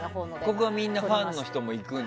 ここはみんなファンの人も行くんだ。